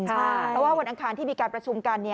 เพราะว่าวันอังคารที่มีการประชุมกัน